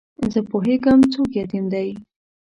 زه پوهېږم څوک یتیم دی.